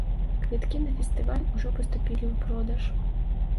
Квіткі на фестываль ужо паступілі ў продаж.